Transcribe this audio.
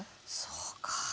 そうか。